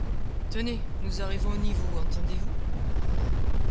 Tenez ! nous arrivons au niveau, entendez-vous ?